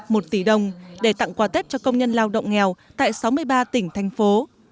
một tỷ đồng để tặng quà tết cho công nhân lao động nghèo tại sáu mươi ba tỉnh thành phố